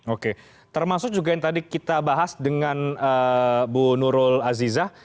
oke termasuk juga yang tadi kita bahas dengan bu nurul azizah